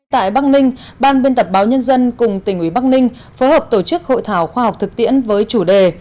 tại bắc ninh ban biên tập báo nhân dân cùng tỉnh ủy bắc ninh phối hợp tổ chức hội thảo khoa học thực tiễn với chủ đề